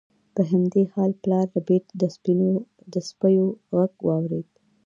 په همدې حال کې پلار ربیټ د سپیو غږ واورید